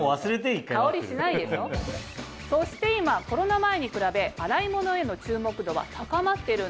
そして今コロナ前に比べ洗い物への注目度は高まってるんです。